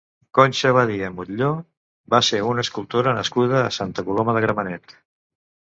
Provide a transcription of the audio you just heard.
Conxa Badia Mutlló va ser una escultora nascuda a Santa Coloma de Gramenet.